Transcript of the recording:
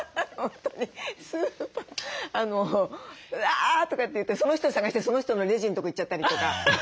「あ」とか言ってその人を探してその人のレジのとこ行っちゃったりとか。